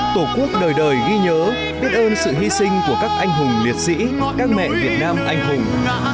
tổ quốc đời đời ghi nhớ biết ơn sự hy sinh của các anh hùng liệt sĩ các mẹ việt nam anh hùng